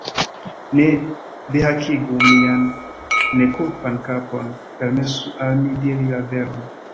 ne dehakigu mian nekulpan kapon, permesu al mi diri la veron!